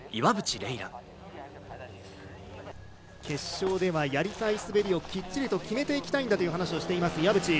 決勝では、やりたい滑りをきっちりと決めていきたいんだという話をしています岩渕。